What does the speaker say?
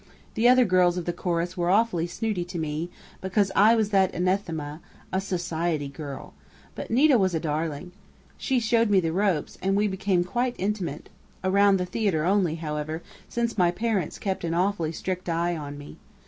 The other girls of the chorus were awfully snooty to me, because I was that anathema, a 'society girl', but Nita was a darling. She showed me the ropes, and we became quite intimate around the theater only, however, since my parents kept an awfully strict eye on me.